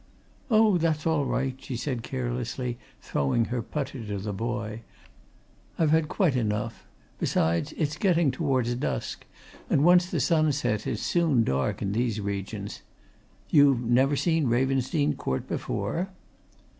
"Oh, that's all right," she said carelessly, throwing her putter to the boy. "I've had quite enough; besides, it's getting towards dusk, and once the sun sets, it's soon dark in these regions. You've never seen Ravensdene Court before?"